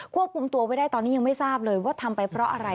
ควบคุมตัวไว้ได้ตอนนี้ยังไม่ทราบเลยว่าทำไปเพราะอะไร